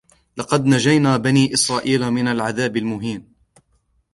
ولقد نجينا بني إسرائيل من العذاب المهين